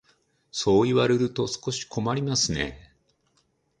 そう言われると少し困りますね。